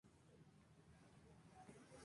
Un vecino le disparó y persiguió en su camioneta.